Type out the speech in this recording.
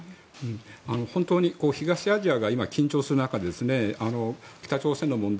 東アジアが今緊張する中北朝鮮の問題